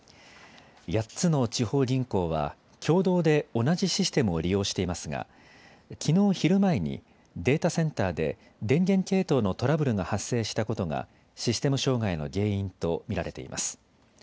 ８つの地方銀行は共同で同じシステムを利用していますがきのう昼前にデータセンターで電源系統のトラブルが発生したことがシステム障害の原因と見られています。